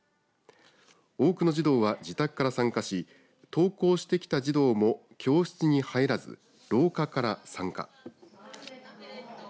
多くの児童は自宅から参加し登校してきた児童も教室に入らず廊下から参加。